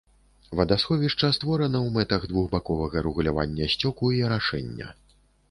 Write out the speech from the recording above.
Вадасховішча створана ў мэтах двухбаковага рэгулявання сцёку і арашэння.